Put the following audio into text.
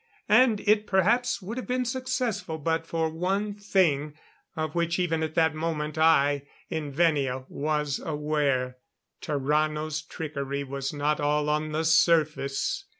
And it perhaps would have been successful but for one thing, of which even at that moment I in Venia was aware. Tarrano's trickery was not all on the surface.